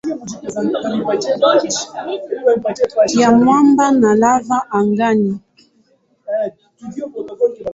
ya mwamba na lava angani.